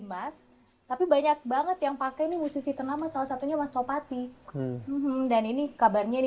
mas tapi banyak banget yang pakai ini musisi ternama salah satunya mas topati dan ini kabarnya ini